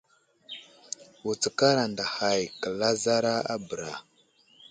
Wutskar anday hay kəlazara a bəra.